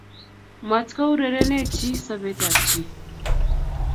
Matkourerene chi sobetab chi